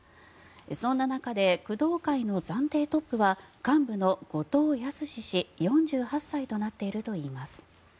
そんな中で工藤会の暫定トップは幹部の後藤靖氏、４８歳となっているといいます。